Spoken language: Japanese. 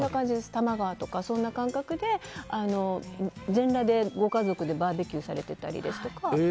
多摩川とかそんな感覚で全裸でご家族でバーベキューされてたりですとか。